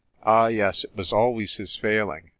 Ah, yes, it was always his failing.